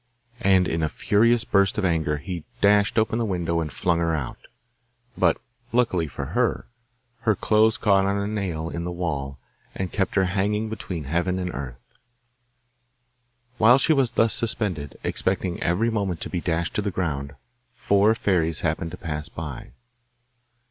And, in a furious burst of anger, he dashed open the window and flung her out. But, luckily for her, her clothes caught on a nail in the wall, and kept her hanging between heaven and earth. While she was thus suspended, expecting every moment to be dashed to the ground, four fairies happened to pass by.